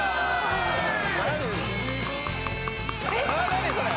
何それ！？